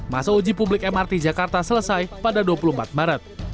masa uji publik mrt jakarta selesai pada dua puluh empat maret